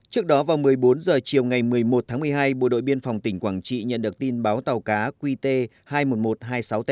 trước đó vào một mươi bốn h chiều ngày một mươi một tháng một mươi hai bộ đội biên phòng tỉnh quảng trị nhận được tin báo tàu cá qt hai mươi một nghìn một trăm hai mươi sáu t